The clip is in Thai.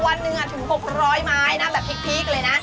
วันหนึ่งถึง๖๐๐ไม้นะแบบพริกเลยนะ